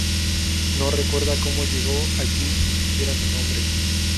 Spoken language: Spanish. No recuerda cómo llegó allí, ni siquiera su nombre.